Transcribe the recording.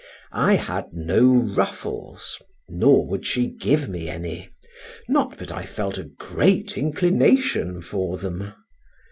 I had no ruffles, nor would she give me any, not but I felt a great inclination for them.